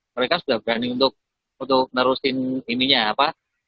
mereka sudah berani untuk menerusin ini ya apa